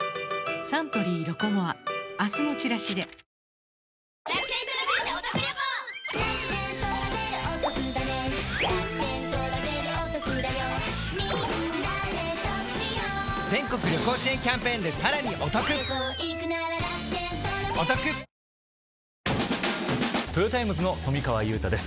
サントリー「ロコモア」明日のチラシでトヨタイムズの富川悠太です